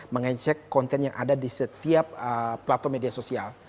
mengecek konten yang ada di setiap platform media sosial